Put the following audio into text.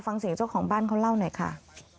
ฟังเสียงเจ้าของบ้านเขาเล่าหน่อยค่ะ